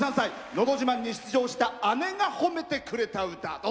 「のど自慢」に出場した姉が褒めてくれた歌。